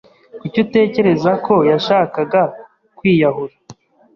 Kuki utekereza ko yashakaga kwiyahura?